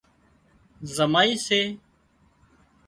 زمائي سي